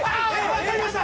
分かりました